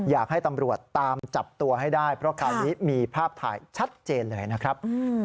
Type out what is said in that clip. อยากให้ตำรวจตามจับตัวให้ได้เพราะคราวนี้มีภาพถ่ายชัดเจนเลยนะครับ